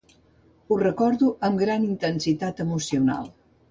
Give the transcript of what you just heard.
Ho recordo amb gran intensitat emocional.